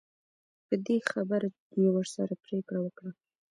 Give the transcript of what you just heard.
په دې خبره یې ورسره پرېکړه وکړه.